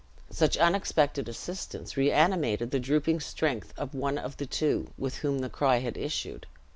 Such unexpected assistance reanimated the drooping strength of one of the two, with whom the cry had issued.